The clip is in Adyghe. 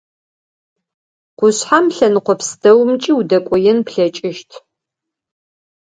Къушъхьэм лъэныкъо пстэумкӏи удэкӏоен плъэкӏыщт.